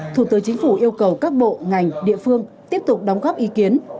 thủ tướng chính phủ yêu cầu các bộ ngành địa phương tiếp tục đóng góp ý kiến